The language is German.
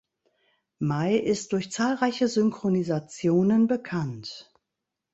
May ist durch zahlreiche Synchronisationen bekannt.